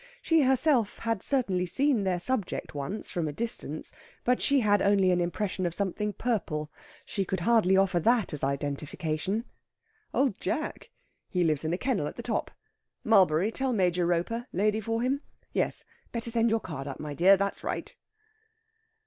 She herself had certainly seen their subject once from a distance, but she had only an impression of something purple. She could hardly offer that as identification. "Old Jack! He lives in a kennel at the top. Mulberry, tell Major Roper lady for him. Yes, better send your card up, my dear; that's right!"